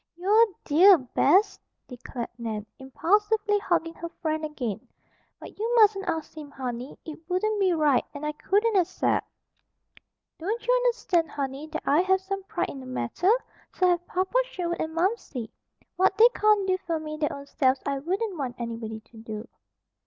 "You're a dear, Bess!" declared Nan, impulsively hugging her friend again. "But you mustn't ask him, honey. It wouldn't be right, and I couldn't accept. "Don't you understand, honey, that I have some pride in the matter? So have Papa Sherwood and Momsey. What they can't do for me their own selves I wouldn't want anybody to do."